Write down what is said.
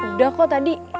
udah kok tadi